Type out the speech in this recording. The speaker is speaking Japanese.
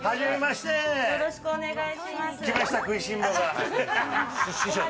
よろしくお願いします。